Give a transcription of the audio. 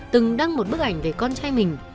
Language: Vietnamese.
từng đăng một bức ảnh về con trai mình